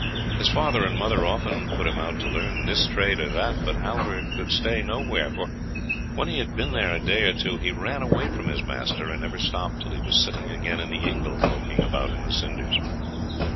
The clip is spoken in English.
His father and mother often put him out to learn this trade or that, but Halvor could stay nowhere; for, when he had been there a day or two, he ran away from his master, and never stopped till he was sitting again in the ingle, poking about in the cinders.